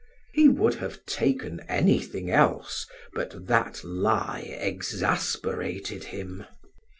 He would have taken anything else, but that lie exasperated him.